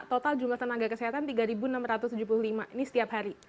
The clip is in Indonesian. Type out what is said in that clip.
total jumlah tenaga kesehatan tiga enam ratus tujuh puluh lima ini setiap hari